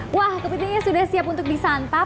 wah kepitingnya sudah siap untuk disantap